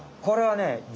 これはねあ！